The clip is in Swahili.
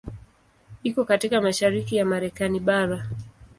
Iko katika mashariki ya Marekani bara.